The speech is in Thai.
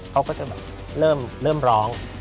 เขาก็จะแบบเริ่มร้อง